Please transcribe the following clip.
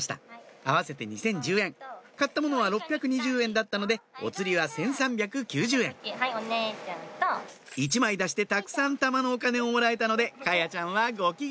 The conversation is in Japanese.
合わせて２０１０円買ったものは６２０円だったのでお釣りは１３９０円１枚出してたくさん玉のお金をもらえたので華彩ちゃんはご機嫌！